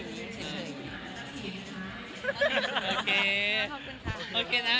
คุณใจเห็นไหมวะ